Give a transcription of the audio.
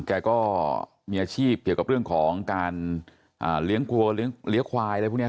แกก็มีอาชีพเกี่ยวกับเรื่องของการเลี้ยงกลัวเลี้ยงควายอะไรพวกนี้